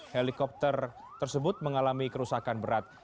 helikopter tersebut mengalami kerusakan berat